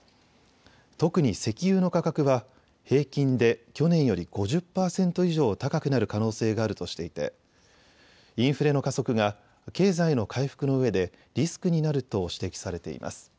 特に石油の価格は平均で去年より５０％以上高くなる可能性があるとしていてインフレの加速が経済の回復のうえでリスクになると指摘されています。